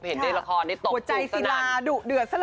เห็นในละครได้ตกจุดตะนั้นหัวใจซีลาดุเดือดซะละเกิน